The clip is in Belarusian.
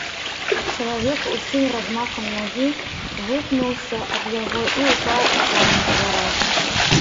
Чалавек усім размахам нагі вытнуўся аб яго і ўпаў у самых дзвярах.